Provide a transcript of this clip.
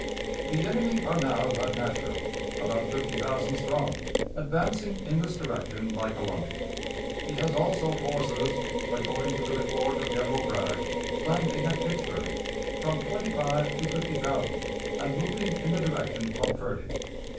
"The enemy are now at Nashville, about fifty thousand strong, advancing in this direction by Columbia. He has also forces, according to the report of General Bragg, landing at Pittsburg, from twenty five to fifty thousand, and moving in the direction of Purdy.